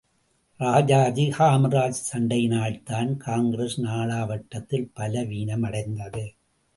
ராஜாஜி காமராஜ் சண்டையினால்தான், காங்கிரஸ் நாளாவட்டத்தில் பலவீனமடைந்தது.